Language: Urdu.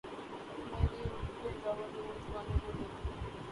میں اردو کے علاوہ دو اور زبانیں بول لیتا ہوں